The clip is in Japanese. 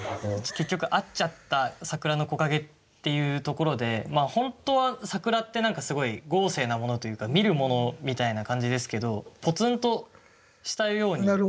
結局会っちゃった「桜の木陰」っていうところで本当は桜って何かすごい豪勢なものというか見るものみたいな感じですけどポツンとしたようにというか。